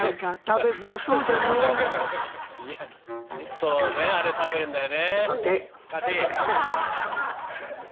そうねあれ食べるんだよね。